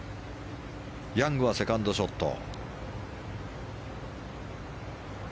ヤングはセカンドショット。